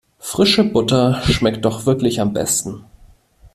Frische Butter schmeckt doch wirklich am besten.